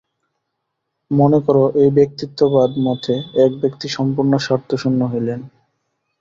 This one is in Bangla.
মনে কর, এই ব্যক্তিত্ববাদ-মতে এক ব্যক্তি সম্পূর্ণ স্বার্থশূন্য হইলেন।